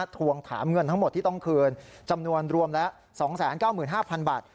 ทวงถามเงินทั้งหมดที่ต้องคืนจำนวนรวมละสองแสนเก้าหมื่นห้าพันบาท